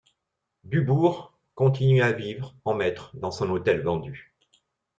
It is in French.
Dubourg continuait à vivre en maître dans son hôtel vendu.